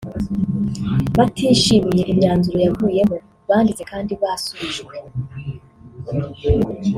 batishimiye imyanzuro yavuyemo banditse kandi basubijwe